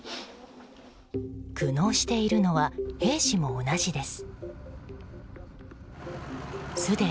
苦悩しているのは兵士も同じです。